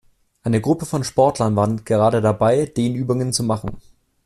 Eine Gruppe von Sportlern war gerade dabei, Dehnübungen zu machen.